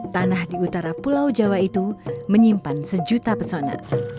tanah di utara pulau jawa itu menyimpan sejuta pesona